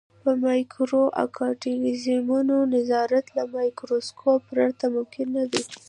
په مایکرو ارګانیزمونو نظارت له مایکروسکوپ پرته ممکن نه دی.